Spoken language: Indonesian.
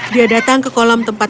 dia datang ke kolam tempat